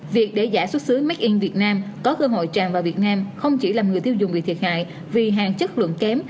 việc để giả xuất xứ make in việt nam có cơ hội tràn vào việt nam không chỉ làm người tiêu dùng bị thiệt hại vì hàng chất lượng kém